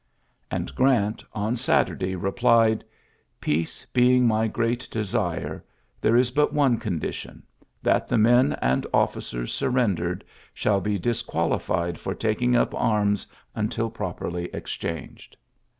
And Grant on Saturday re plied, ^' Peace being my great desire, there is but one condition — that the men and officers surrendered shall be disqualified for taking up arms until properly exchanged."